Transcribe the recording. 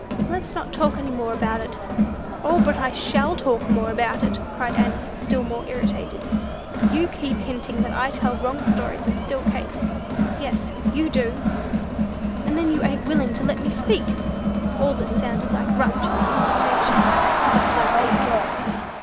Let's not talk any more about it." "O, but I shall talk more about it," cried Annie, still more irritated; "you keep hinting that I tell wrong stories and steal cake; yes, you do! and then you ain't willing to let me speak!" All this sounded like righteous indignation, but was only anger.